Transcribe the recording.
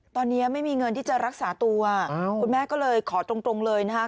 ตอนนี้ไม่มีเงินที่จะรักษาตัวคุณแม่ก็เลยขอตรงเลยนะครับ